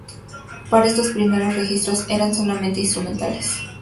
Pero estos primeros registros eran solamente instrumentales.